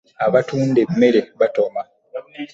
Abatunda emmere batoma.